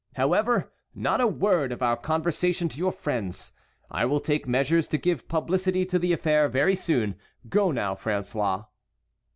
However, not a word of our conversation to your friends. I will take measures to give publicity to the affair very soon. Go now, François."